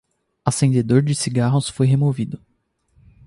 Acendedor de cigarros foi removido